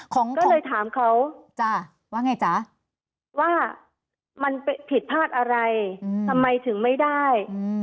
ก็เลยถามเขาว่ามันผิดพลาดอะไรทำไมถึงไม่ได้